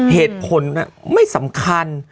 เหตุผลไม่สำคัญ